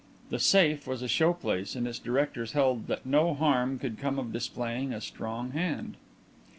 "The Safe" was a showplace and its directors held that no harm could come of displaying a strong hand.